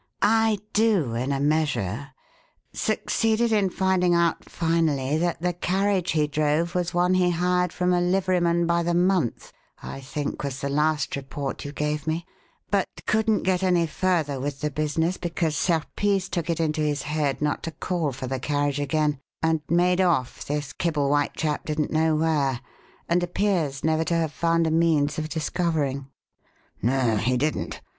"I do in a measure. Succeeded in finding out, finally, that the carriage he drove was one he hired from a liveryman by the month, I think was the last report you gave me; but couldn't get any further with the business because Serpice took it into his head not to call for the carriage again and made off, this Kibblewhite chap didn't know where, and appears never to have found a means of discovering." "No; he didn't.